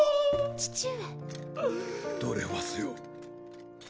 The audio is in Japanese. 父上！